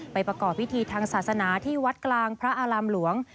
ประกอบพิธีทางศาสนาที่วัดกลางพระอารามหลวง